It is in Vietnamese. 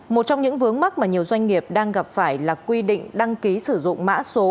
một trong những vướng mắt mà nhiều doanh nghiệp đang gặp phải là quy định đăng ký sử dụng mã số